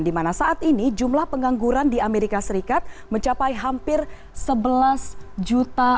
di mana saat ini jumlah pengangguran di amerika serikat mencapai hampir sebelas juta